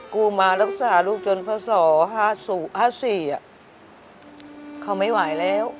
กูมารักษาลูกจนพ่อส่อห้าสี่อ่ะเขาไม่ไหวแล้ว